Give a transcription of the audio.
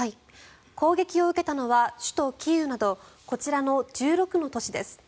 攻撃を受けたのは首都キーウなどこちらの１６の都市です。